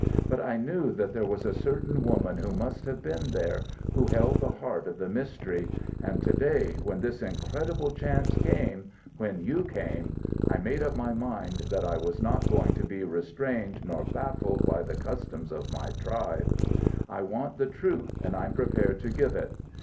But I knew that there was a certain woman who must have been there, who held the heart of the mystery, and to day, when this incredible chance came when you came I made up my mind that I was not going to be restrained nor baffled by the customs of my tribe. I want the truth and I'm prepared to give it.